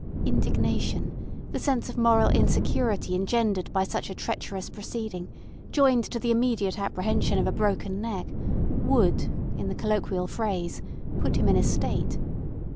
Indignation, the sense of moral insecurity engendered by such a treacherous proceeding joined to the immediate apprehension of a broken neck, would, in the colloquial phrase, put him in a state.